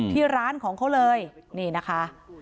ที่ร้านของเขาเลยนี่นะคะ